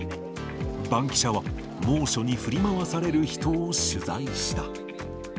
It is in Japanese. バンキシャは猛暑に振り回される人を取材した。